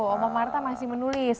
oma marta masih menulis